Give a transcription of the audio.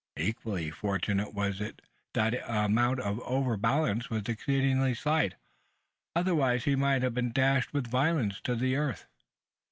Equally fortunate was it, that the amount of overbalance was exceedingly slight otherwise he might have been dashed with violence to the earth!